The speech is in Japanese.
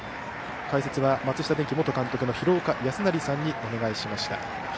解説は松下電器元監督の廣岡資生さんにお願いしました。